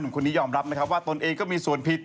คนนี้ยอมรับนะครับว่าตนเองก็มีส่วนผิด